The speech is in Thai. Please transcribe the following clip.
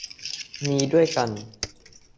มีด้วยกัน